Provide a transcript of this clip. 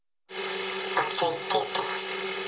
熱いって言っていました。